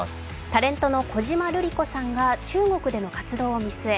タレントの小島瑠璃子さんが中国での活動を見据え